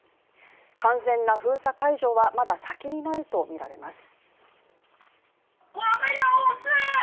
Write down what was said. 完全な封鎖解除はまだ先になるとみられます。